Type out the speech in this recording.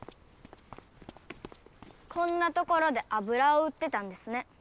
こんなところであぶらを売ってたんですね。